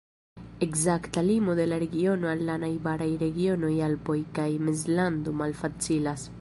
Ekzakta limo de la regiono al la najbaraj regionoj Alpoj kaj Mezlando malfacilas.